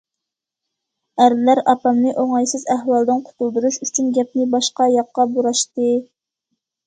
ئەرلەر ئاپامنى ئوڭايسىز ئەھۋالدىن قۇتۇلدۇرۇش ئۈچۈن گەپنى باشقا ياققا بۇراشتى.